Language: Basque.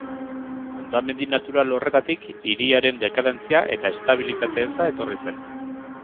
Hondamendi natural horretatik hiriaren dekadentzia eta estabilitate-eza etorri zen.